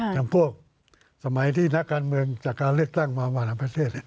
อย่างพวกสมัยที่นักการเมืองจากการเลือกตั้งมามาหลังประเทศ